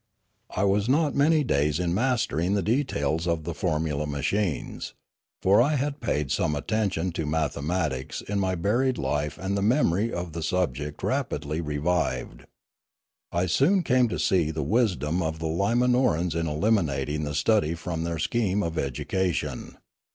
I was not many days in mastering the details of the formula machines; for I had paid some attention to mathematics in my buried life and the memory of the subject rapidly revived. I soon came to see the wisdom of the Li man or a ns in eliminating the study from their scheme of education.